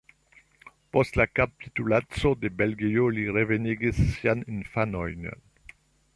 Post la kapitulaco de Belgio li revenigis siajn infanojn.